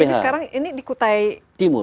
ini sekarang di kutai timur kan